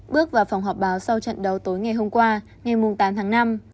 bước vào phòng họp báo sau trận đấu tối ngày hôm qua ngày tám tháng năm